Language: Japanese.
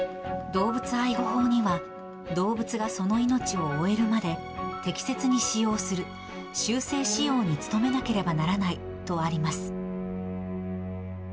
動物愛護法には、動物がその命を終えるまで、適切に飼養する、終生飼養に努めなければならないとあります。